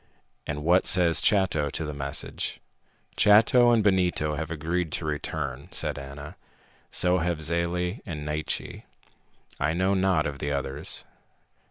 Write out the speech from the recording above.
"And what says Chato to the message?" "Chato and Benito have agreed to return," said Ana. "So have Zele and Naiche. I know not of the others."